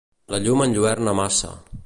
La llum enlluerna massa.